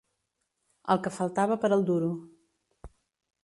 El que faltava per al duro.